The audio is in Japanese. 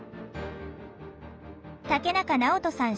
竹中直人さん